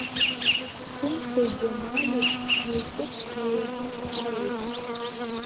Хәымсеи Џьамали мыҩтәыкгьы еидымхалеит.